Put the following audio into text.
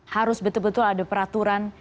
harus betul betul ada peraturan